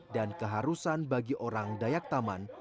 dan keharusan bagi orang dayak taman